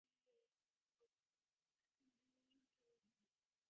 ގިނަ އިންވެސްޓަރުންނާއި އެހެނިހެން ފަރާތްތަކުގެ ލޯތައް ހުއްޓެނީ މިބަޔަށް